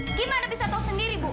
bagaimana bisa tahu sendiri bu